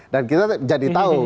dan kita jadi tahu